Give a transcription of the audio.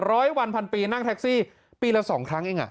ร้อยวันพันปีนั่งแท็กซี่ปีละสองครั้งเองอ่ะ